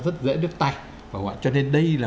rất dễ đứt tay cho nên đây là